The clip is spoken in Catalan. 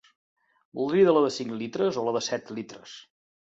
Voldria la de cinc litres o la de set litres?